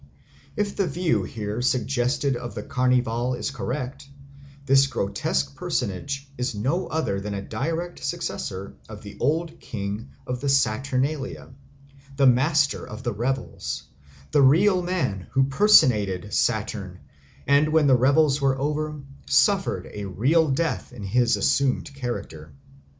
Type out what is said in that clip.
If the view here suggested of the Carnival is correct, this grotesque personage is no other than a direct successor of the old King of the Saturnalia, the master of the revels, the real man who personated Saturn and, when the revels were over, suffered a real death in his assumed character.